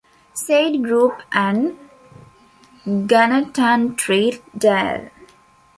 Sayed group and Ganatantri Dal.